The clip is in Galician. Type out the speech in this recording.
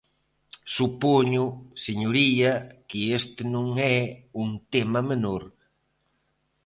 Supoño, señoría, que este non é un tema menor.